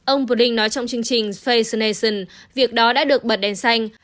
ông blin nói trong chương trình space nation việc đó đã được bật đèn xanh